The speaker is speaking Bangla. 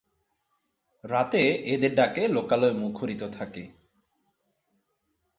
রাতে এদের ডাকে লোকালয় মুখরিত থাকে।